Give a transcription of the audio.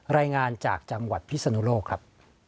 รายงานจากจังหวัดพิศนุโลกครับ